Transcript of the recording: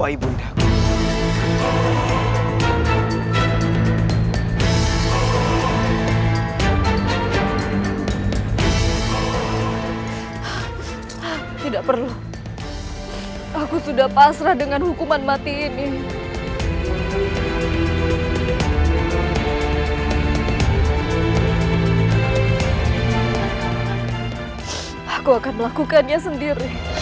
aku akan melakukannya sendiri